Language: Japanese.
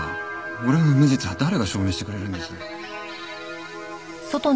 俺の無実は誰が証明してくれるんです？